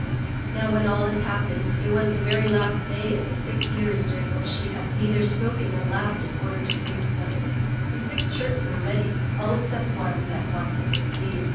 ^ ^^^^j^^ Now when all this happened, it was the very last day of the six years during which she had neither spoken nor laughed in order to free her brothers. The six shirts were ready, all except one that wanted a sleeve.